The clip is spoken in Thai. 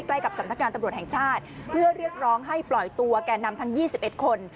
กับสำนักงานตำรวจแห่งชาติเพื่อเรียกร้องให้ปล่อยตัวแก่นำทั้ง๒๑คน